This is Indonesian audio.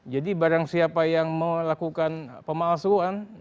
jadi barang siapa yang melakukan pemalsuan